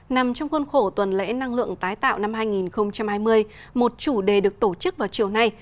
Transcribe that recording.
nằm trong khuôn khổ tuần lễ năng lượng tái tạo năm hai nghìn hai mươi một chủ đề được tổ chức vào chiều nay